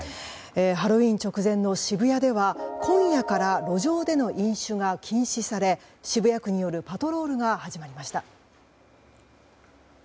ハロウィーン直前の渋谷では今夜から路上での飲酒が禁止され渋谷区によるパトロールが始まりました。